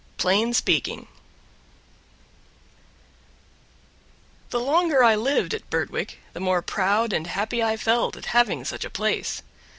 11 Plain Speaking The longer I lived at Birtwick the more proud and happy I felt at having such a place.